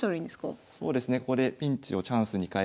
そうですね